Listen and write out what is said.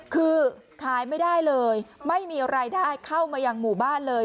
คือขายไม่ได้เลยไม่มีรายได้เข้ามายังหมู่บ้านเลย